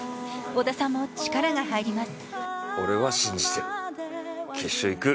織田さんも力が入ります。